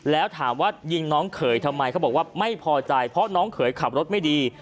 แล้วถามว่ายิงน้องเขยทำไมเขาบอกว่าไม่พอใจเพราะน้องเขยขับรถไม่ดี